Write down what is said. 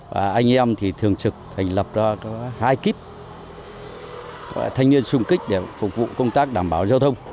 và anh em thì thường trực thành lập ra hai kíp thanh niên xung kích để phục vụ công tác đảm bảo giao thông